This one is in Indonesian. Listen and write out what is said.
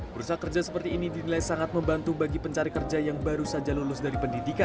perusahaan kerja seperti ini dinilai sangat membantu bagi pencari kerja yang baru saja lulus dari pendidikan